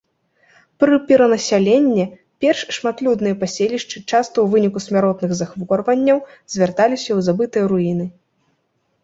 Пры перанасяленне перш шматлюдныя паселішчы часта ў выніку смяротных захворванняў звярталіся ў забытыя руіны.